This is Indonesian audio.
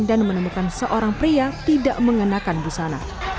dan menemukan seorang pria tidak mengenakan busana